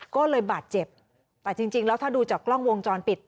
ก็เลยบาดเจ็บแต่จริงแล้วถ้าดูจากกล้องวงจรปิด